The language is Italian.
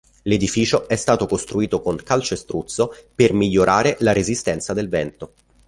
L'edificio è stato costruito con calcestruzzo per migliorare la resistenza del vento.